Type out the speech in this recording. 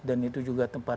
dan itu juga tempat